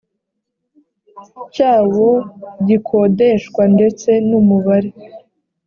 cyawo gikodeshwa ndetse n umubare